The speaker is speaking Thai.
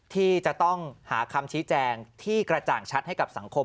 ที่จะต้องหาคำชี้แจงที่กระจ่างชัดให้กับสังคม